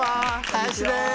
林です！